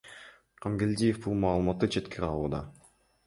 Кангелдиев бул маалыматты четке кагууда.